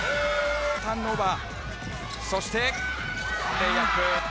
ターンオーバーそしてレイアップ。